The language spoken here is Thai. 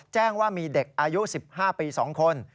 แจ้งว่ามีเด็กอายุ๑๕ปี๒คน